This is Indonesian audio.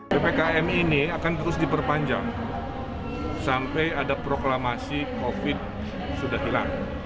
ppkm ini akan terus diperpanjang sampai ada proklamasi covid sudah hilang